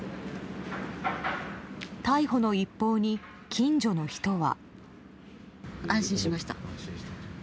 逮捕の一報に近所の人は。